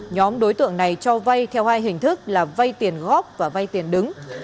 nhóm đối tượng này cho vay theo hai hình thức là vay tiền góp và vay tiền đứng